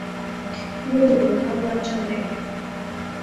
— Мӧҥгӧ, Карло ачам дек.